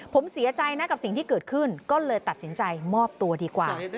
ผมเสียใจนะกับสิ่งที่เกิดขึ้นก็เลยตัดสินใจมอบตัวดีกว่า